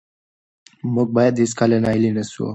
موږ باید هېڅکله ناهیلي نه سو.